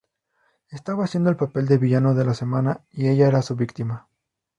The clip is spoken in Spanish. Estaba haciendo el papel de villano de la semana, y ella era su víctima.